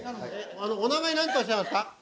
お名前何とおっしゃいますか？